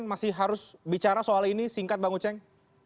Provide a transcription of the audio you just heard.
masih harus bicara soal ini singkat bang uceng